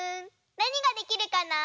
なにができるかな？